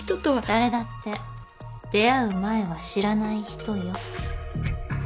誰だって出会う前は知らない人よ。